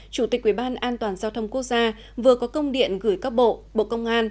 chủ tịch ủy ban an toàn giao thông quốc gia vừa có công điện gửi các bộ bộ công an